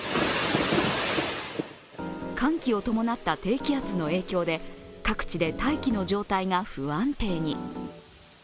寒気を伴った低気圧の影響で各地で大気の状態が不安定に。